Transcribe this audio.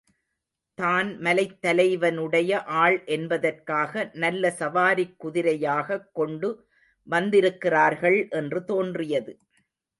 தான் மலைத் தலைவனுடைய ஆள் என்பதற்காக நல்ல சவாரிக் குதிரையாகக் கொண்டு வந்திருக்கிறார்கள் என்று தோன்றியது.